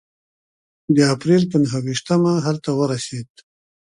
د اپرېل په نهه ویشتمه هلته ورسېد.